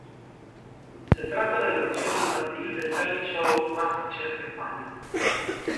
Se trata de la versión infantil del talent show "MasterChef España".